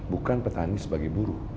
bukan petani sebagai buruh